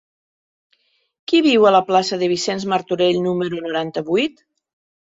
Qui viu a la plaça de Vicenç Martorell número noranta-vuit?